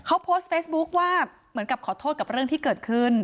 เขาโพสต์เฟซบุ๊คว่าเหมือนกับขอโทษกับเรื่องที่เกิดขึ้น